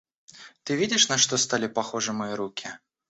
Ты видишь, на что стали похожи мои руки?